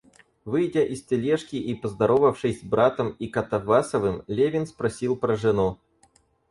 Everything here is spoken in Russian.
Выйдя из тележки и поздоровавшись с братом и Катавасовым, Левин спросил про жену.